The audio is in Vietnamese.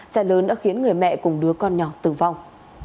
cháy lớn đã khiến người mẹ cùng đứa con nhỏ tử vong